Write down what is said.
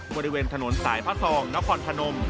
บริเวณถนนสายพระทองนครพนม